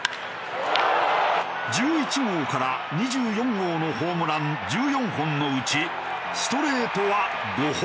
１１号から２４号のホームラン１４本のうちストレートは５本。